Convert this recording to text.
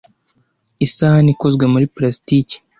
Isahani ikozwe muri plastiki.